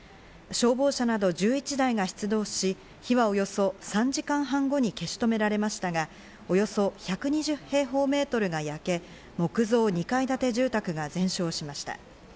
消防車など１１台が出動し、火はおよそ３時間半後に消し止められましたが、およそ１２０平方メートルが焼け、木造２階建て住宅が全焼しました。